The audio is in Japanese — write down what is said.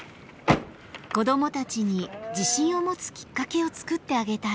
子どもたちに自信を持つきっかけを作ってあげたい。